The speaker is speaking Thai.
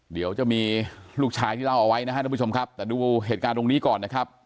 เดี๋ยวจะมีลูกชายที่เล่าเอาไว้นะครับทุกผู้ชมครับแต่ดูเหตุการณ์ตรงนี้ก่อนนะครับ